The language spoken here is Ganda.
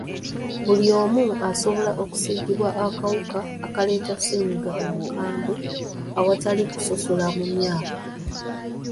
Buli omu asobola okusiigibwa akawuka akaleeta ssennyiga omukambwe awatali kusosola mu myaka.